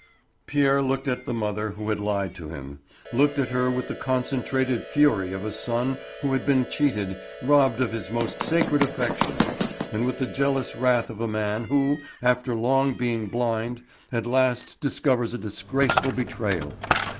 Pierre looked at the mother who had lied to him; looked at her with the concentrated fury of a son who had been cheated, robbed of his most sacred affection, and with the jealous wrath of a man who, after long being blind, at last discovers a disgraceful betrayal.